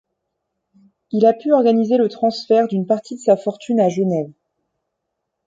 Il a pu organiser le transfert d’une partie de sa fortune à Genève.